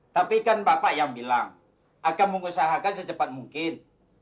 tapi kan bapak yang bilang akan mengusahakan secepat mungkin